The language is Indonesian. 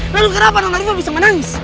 lalu kenapa nona riva bisa menangis